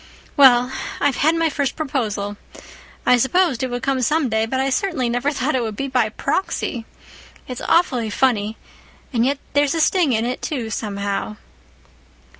Well, I've had my first proposal. I supposed it would come some day—but I certainly never thought it would be by proxy. It's awfully funny—and yet there's a sting in it, too, somehow."